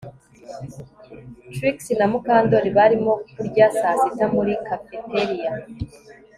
Trix na Mukandoli barimo kurya saa sita muri cafeteria